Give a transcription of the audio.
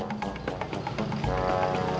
assalamualaikum warahmatullahi wabarakatuh